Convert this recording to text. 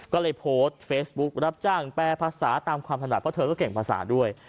ก็เลยโพสต์เฟซบุ๊กรับจ้างแปรภาษาตามความถนัดเพราะเธอก็เก่งภาษาด้วย